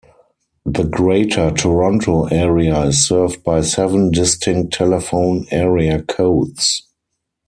The Greater Toronto Area is served by seven distinct telephone area codes.